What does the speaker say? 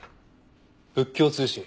「仏教通信」。